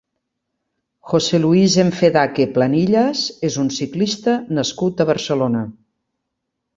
José Luis Enfedaque Planillas és un ciclista nascut a Barcelona.